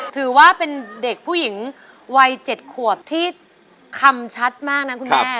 ถึงว่าเป็นแต่เด็กผู้หญิงไว้๗ขวบที่คำชัดมากคุณแม่